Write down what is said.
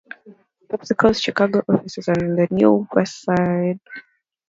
PepsiCo's Chicago offices are in the Near West Side.